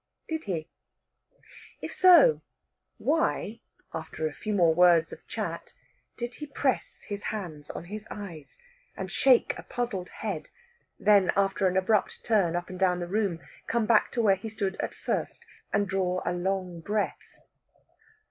Did he? If so, why, after a few words more of chat, did he press his hands on his eyes and shake a puzzled head; then, after an abrupt turn up and down the room, come back to where he stood at first and draw a long breath?